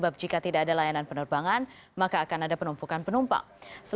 bagaimana penerbangan ini betul betul safe